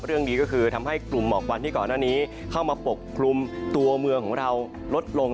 เรื่องนี้ก็คือทำให้กลุ่มหมอกวันที่ก่อนหน้านี้เข้ามาปกคลุมตัวเมืองของเราลดลง